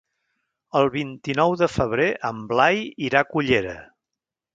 El vint-i-nou de febrer en Blai irà a Cullera.